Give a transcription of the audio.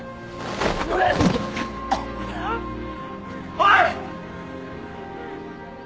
おい！